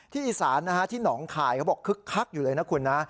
อีสานที่หนองคายเขาบอกคึกคักอยู่เลยนะคุณนะ